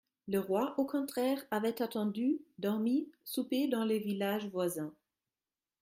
Le roi, au contraire, avait attendu, dormi, soupé dans les villages voisins.